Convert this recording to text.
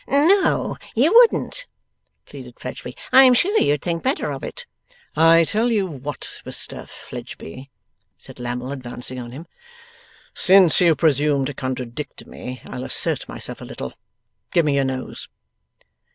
'No you wouldn't,' pleaded Fledgeby. 'I am sure you'd think better of it.' 'I tell you what, Mr Fledgeby,' said Lammle advancing on him. 'Since you presume to contradict me, I'll assert myself a little. Give me your nose!